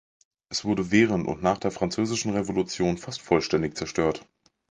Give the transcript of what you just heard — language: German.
Es wurde während und nach der Französischen Revolution fast vollständig zerstört.